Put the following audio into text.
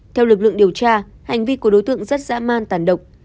theo lực lượng điều tra hành vi của đối tượng rất dã man tàn độc